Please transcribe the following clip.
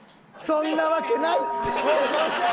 そんなわけないって！